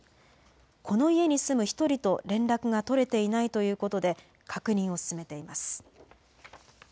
この家に住む１人と連絡が取れていないということで確認を進めています。